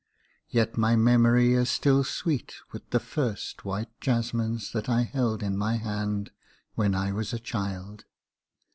Yet my memory is still sweet with the first white jasmines that I held in my hand when I was a child.